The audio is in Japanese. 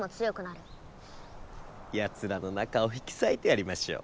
やつらのなかを引きさいてやりましょう。